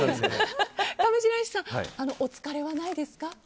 お疲れはないですか？